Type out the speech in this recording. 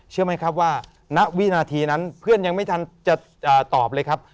เชื่อไหมครับว่าณวินาทีนั้นเพื่อนยังไม่ทันจะตอบเลยครับ